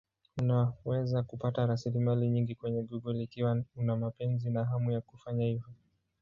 Unaweza kupata rasilimali nyingi kwenye Google ikiwa una mapenzi na hamu ya kufanya hivyo.